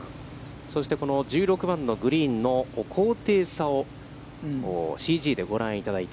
そして、この１０名番のグリーンの高低差をＣＧでご覧いただい